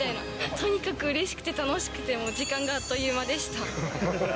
とにかくうれしくて楽しくて、もう時間があっという間でした。